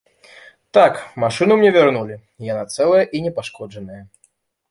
Так, машыну мне вярнулі, яна цэлая і непашкоджаная.